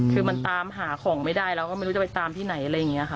คือมันตามหาของไม่ได้เราก็ไม่รู้จะไปตามที่ไหนอะไรอย่างนี้ค่ะ